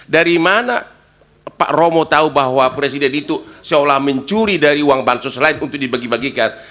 dari mana pak romo tahu bahwa presiden itu seolah mencuri dari uang bansos lain untuk dibagi bagikan